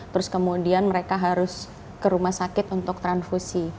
terus kemudian mereka harus ke rumah sakit untuk transfusi